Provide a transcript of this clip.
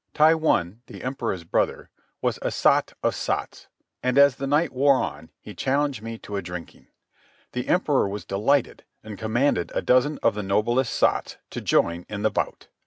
Taiwun, the Emperor's brother, was a sot of sots, and as the night wore on he challenged me to a drinking. The Emperor was delighted, and commanded a dozen of the noblest sots to join in the bout.